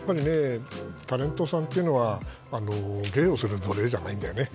タレントさんというのは芸をする奴隷じゃないんだよね。